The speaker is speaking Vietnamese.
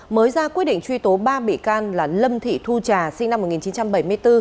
mới ra quyết định truy tố ba bị can là lâm thị thu trà sinh năm một nghìn chín trăm bảy mươi bốn